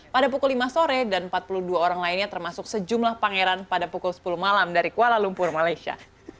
pada pukul lima sore dan empat puluh dua orang lainnya termasuk sejumlah pangeran pada pukul sepuluh malam dari kuala lumpur malaysia